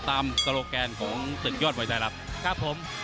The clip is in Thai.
ตามโตรแกนของสุดยอดมวยไทยรัฐครับผม